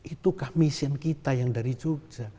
itukah mission kita yang dari jogja